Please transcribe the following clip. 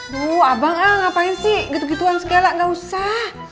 bu abang ah ngapain sih gitu gituan segala gak usah